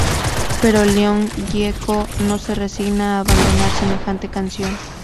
Pero León Gieco no se resigna a abandonar semejante canción.